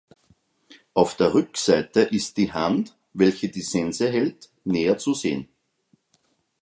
Auf der Rückseite ist die Hand, welche die Sense hält, näher zu sehen.